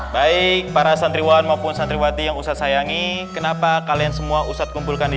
baik para santriwan maupun santriwati yang ustadz sayangi kenapa kalian semua ustadz kumpulkan di